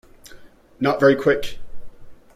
Not very Quick.